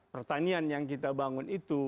pertanian yang kita bangun itu